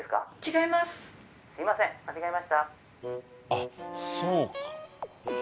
あっそうか。